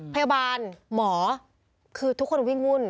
พยาบาลหมอคือทุกคนวิ่งวุ่น